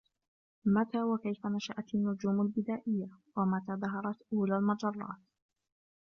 متى وكيف نشأت النجوم البدائية؟ ومتى ظهرت أولى المجرات؟